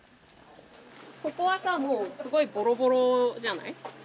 ここはさもうすごいボロボロじゃない。